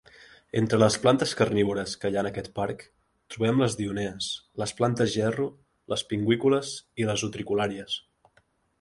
Entre les plantes carnívores que hi ha en aquest parc, trobem les dionees, les plantes gerro, les pingüícules i les utriculàries.